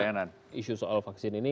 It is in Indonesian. walaupun sebenarnya isu soal vaksin ini